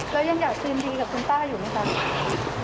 แล้วยังอยากคืนดีกับคุณป้าอยู่ไหมคะ